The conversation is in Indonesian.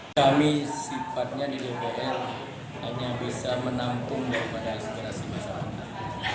kami sifatnya di dpr hanya bisa menampung daripada aspirasi masyarakat